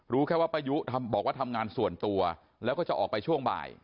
แค่ว่าป้ายุบอกว่าทำงานส่วนตัวแล้วก็จะออกไปช่วงบ่าย